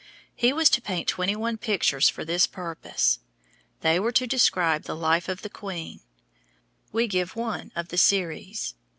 He was to paint twenty one pictures for this purpose. They were to describe the life of the queen. We give one of the series.